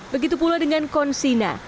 begitu pula dengan consina